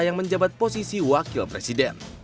yang menjabat posisi wakil presiden